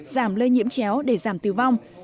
giảm lây nhiễm chéo để giảm tử vong